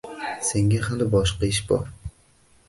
Senga hali boshqa ish bor.